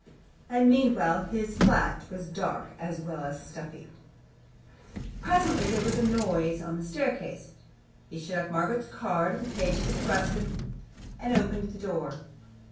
And meanwhile, his flat was dark, as well as stuffy. Presently there was a noise on the staircase. He shut up Margaret's card in the pages of Ruskin, and opened the door.